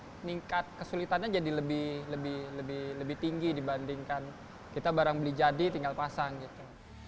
terus meningkat kesulitannya jadi lebih tinggi dibandingkan kita barang beli jadi tinggal pasang gitu